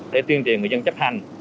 để tuyên truyền người dân chấp hành